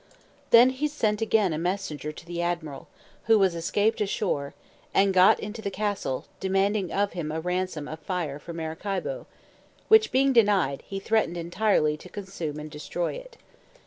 Then he sent again a messenger to the admiral, who was escaped ashore, and got into the castle, demanding of him a ransom of fire for Maracaibo; which being denied, he threatened entirely to consume and destroy it.